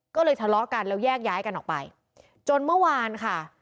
ก็เลยทะเลาะกันแล้วแยกย้ายกันออกไปจนเมื่อวานค่ะ